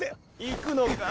行くのか？